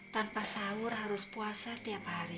tanpa sahur harus puasa tiap hari